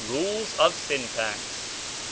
Rules of Syntax. I.